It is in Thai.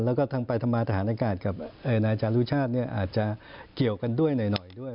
แล้วก็ทางปริธรรมาธิการกับนายจรุชชาติเนี่ยอาจจะเกี่ยวกันด้วยหน่อยด้วย